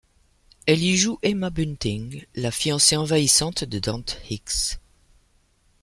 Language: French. Elle y joue Emma Bunting, la fiancée envahissante de Dante Hicks.